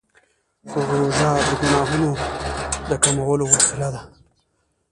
روژه د ګناهونو د کمولو وسیله ده.